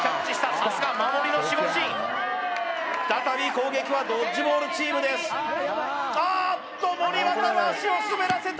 さすが守りの守護神再び攻撃はドッジボールチームですあっと森渉足を滑らせた